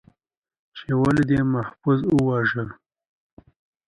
، چې ولې دې محفوظ وواژه؟